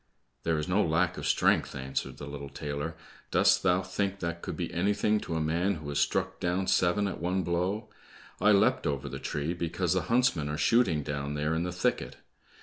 "There is no lack of strength," answered the little tailor. "Dost thou think that could be anything to a man who has struck down seven at one blow? I leapt over the tree because the huntsmen are shooting down there in the thicket.